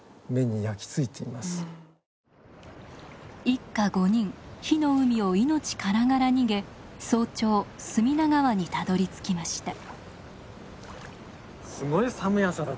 一家５人火の海を命からがら逃げ早朝隅田川にたどりつきました。